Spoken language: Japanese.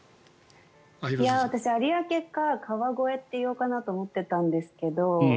私、有明か川越って言おうかなと思ってたんですけど。